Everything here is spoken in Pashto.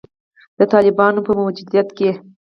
د طالبانو په موجودیت کې